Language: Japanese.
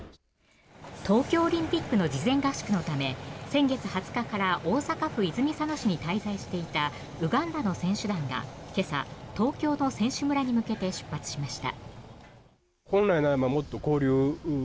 東京オリンピックの事前合宿のため先月２０日から大阪府泉佐野市に滞在していたウガンダの選手団が今朝、東京の選手村に向けて出発しました。